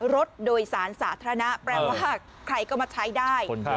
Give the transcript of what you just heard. รถโดยสารสาธารณะแปลว่าใครก็มาใช้ได้